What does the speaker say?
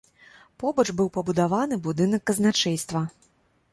Побач быў пабудаваны будынак казначэйства.